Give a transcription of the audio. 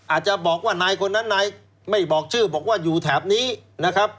อาจจะบอกว่านายคนนั้นนายไม่บอกชื่อบอกว่าอยู่แถบนี้นะครับ